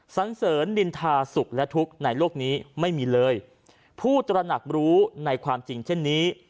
สันเสริญนินทาสุขและทุกข์ในโลกนี้ไม่มีเลยผู้ตระหนักรู้ในความจริงเช่นนี้